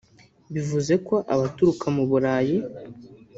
Bivuze ko abaturuka mu Burayi